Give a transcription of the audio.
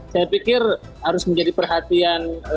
saya pikir harus menjadi perhatian